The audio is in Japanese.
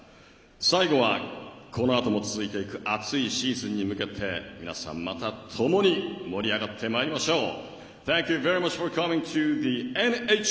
最後はこのあとも続いていく熱いシーズンに向けて皆さん、またともに盛り上がってまいりましょう。